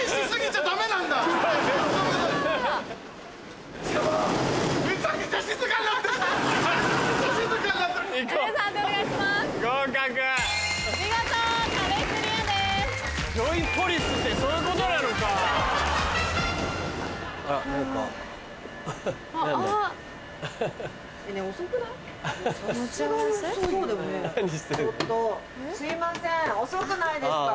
ちょっとすいません遅くないですか？